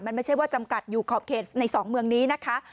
มันไม่ใช่ว่าจำกัดอยู่ขอบเขตในสองเมืองนี้นะคะ